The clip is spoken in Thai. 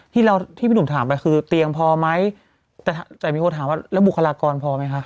ที่เราที่พี่หนุ่มถามไปคือเตียงพอไหมแต่มีคนถามว่าแล้วบุคลากรพอไหมคะ